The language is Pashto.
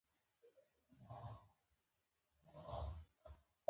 ایا ستاسو کوټه به روښانه نه وي؟